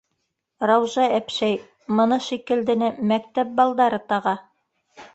Раужа әпшәй, мыны шикелдене мәктәп балдары таға!